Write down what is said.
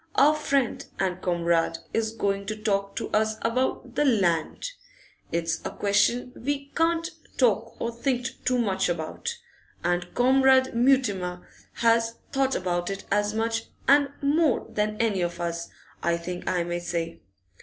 Our friend and comrade is going to talk to us about the Land. It's a question we can't talk or think too much about, and Comrade Mutimer has thought about it as much and more than any of us, I think I may say.